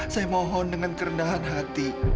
saya mohon dengan kerendahan hati